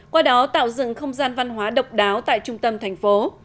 qua đó tạo dựng không gian văn hóa độc đáo tại trung tâm thành phố